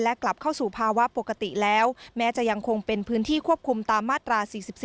และกลับเข้าสู่ภาวะปกติแล้วแม้จะยังคงเป็นพื้นที่ควบคุมตามมาตรา๔๔